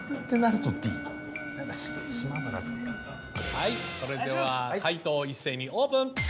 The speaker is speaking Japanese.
はいそれでは解答を一斉にオープン。